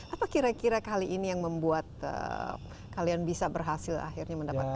apa kira kira kali ini yang membuat kalian bisa berhasil akhirnya mendapatkan